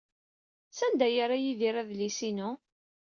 Sanda ay yerra Yidir adlis-inu?